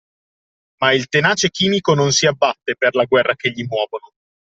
Ma il tenace chimico non si abbatte per la guerra che gli muovono